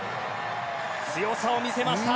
強さを見せました！